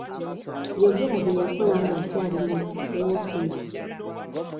Yayogera bye yakola ng'akyali mu woofiisi.